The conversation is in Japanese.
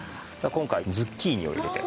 今回ズッキーニを入れて。